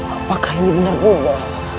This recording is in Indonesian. apakah ini benar munda